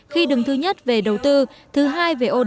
khi đứng thứ nhất về đầu tư thứ hai về oda